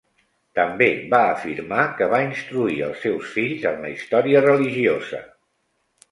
També va afirmar que va instruir els seus fills en la història religiosa.